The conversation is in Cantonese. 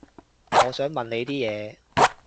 我想問你啲嘢